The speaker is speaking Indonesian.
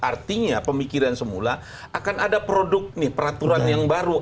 artinya pemikiran semula akan ada produk nih peraturan yang baru